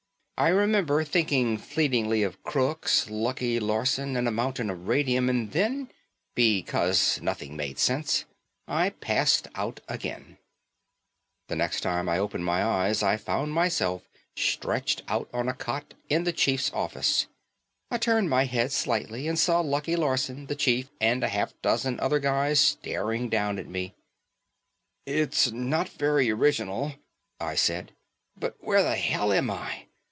I remember thinking fleetingly of crooks, Lucky Larson and a mountain of radium and then because nothing made sense I passed out again. The next time I opened my eyes I found myself stretched out on a cot in the chief's office. I turned my head slightly and saw Lucky Larson, the chief and a half dozen other guys staring down at me. "It's not very original," I said, "but where the hell am I?"